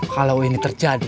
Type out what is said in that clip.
kalau ini terjadi